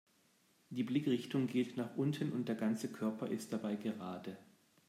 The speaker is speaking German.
Die Blickrichtung geht nach unten und der ganze Körper ist dabei gerade.